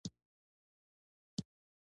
موږ ټول غواړو.